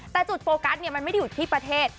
แต่จุดโปรแกสมันไม่อยู่ที่ประเทศ